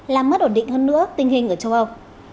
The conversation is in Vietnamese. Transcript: làm mất ổn định hơn nữa tình hình ở châu âu